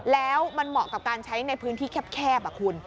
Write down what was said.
แล้วมันเหมาะกับการใช้ในพื้นที่แคบคุณ